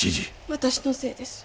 私のせいです。